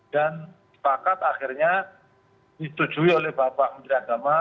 dan sepakat akhirnya dituju oleh bapak menteri agama